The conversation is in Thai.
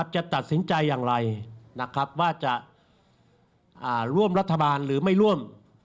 จะตัดสินใจอย่างไรนะครับว่าจะร่วมรัฐบาลหรือไม่ร่วม